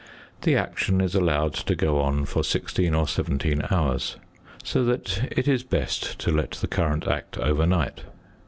The action is allowed to go on for sixteen or seventeen hours, so that it is best to let the current act overnight.